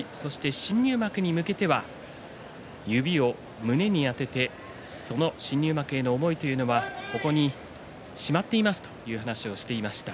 新入幕に向けては指を胸にあてて新入幕の思いはここにしまっていますという話をしていました